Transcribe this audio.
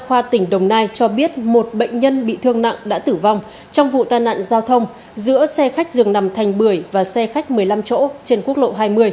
đa khoa tỉnh đồng nai cho biết một bệnh nhân bị thương nặng đã tử vong trong vụ tai nạn giao thông giữa xe khách dường nằm thành bưởi và xe khách một mươi năm chỗ trên quốc lộ hai mươi